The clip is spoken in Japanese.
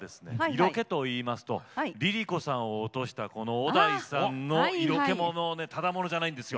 色気といいますとＬｉＬｉＣｏさんを落としたこの小田井さんの色気ももうねただ者じゃないんですよ。